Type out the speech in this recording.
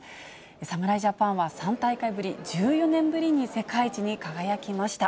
侍ジャパンは３大会ぶり、１４年ぶりに世界一に輝きました。